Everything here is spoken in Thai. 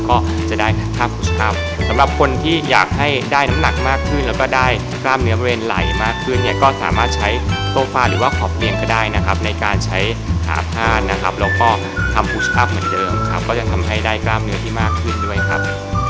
ก็จะได้ภาพสำหรับคนที่อยากให้ได้น้ำหนักมากขึ้นแล้วก็ได้กล้ามเนื้อบริเวณไหล่มากขึ้นเนี่ยก็สามารถใช้โซฟาหรือว่าขอบเรียงก็ได้นะครับในการใช้ขาผ้านะครับแล้วก็ทำพุสภาพเหมือนเดิมครับก็จะทำให้ได้กล้ามเนื้อที่มากขึ้นด้วยครับ